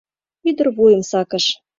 Ӱдыр вуйым сакыш.